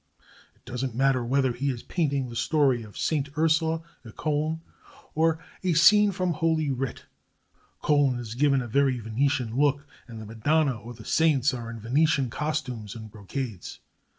It doesn't matter whether he is painting the story of Saint Ursula at Cologne or a scene from Holy Writ, Cologne is given a very Venetian look, and the Madonna or the Saints are in Venetian costumes and brocades.